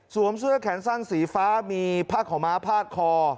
เสื้อแขนสั้นสีฟ้ามีผ้าขาวม้าพาดคอ